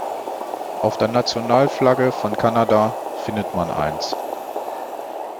Auf der Nationalflagge von Kanada findet man eins.